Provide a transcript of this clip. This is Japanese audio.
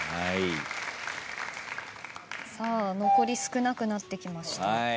さあ残り少なくなってきました。